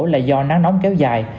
là do nắng nóng kéo dài